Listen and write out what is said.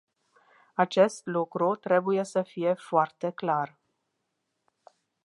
Acest lucru trebuie să fie foarte clar.